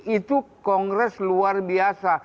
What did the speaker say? itu kongres luar biasa